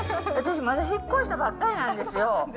私まだ、引っ越したばっかりなんですよ。